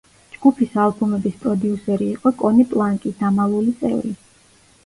ჯგუფის ალბომების პროდიუსერი იყო კონი პლანკი, „დამალული წევრი“.